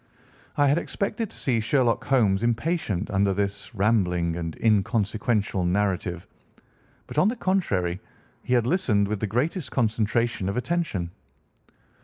I had expected to see Sherlock Holmes impatient under this rambling and inconsequential narrative, but, on the contrary, he had listened with the greatest concentration of attention.